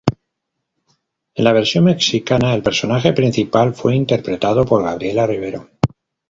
En la versión mexicana, el personaje principal fue interpretado por Gabriela Rivero.